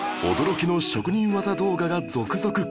驚きの職人技動画が続々